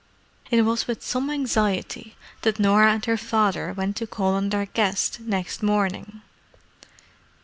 It was with some anxiety that Norah and her father went to call on their guest next morning.